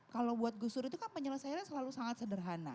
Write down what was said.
kalau buat gus dur itu kan penyelesaiannya selalu sangat sederhana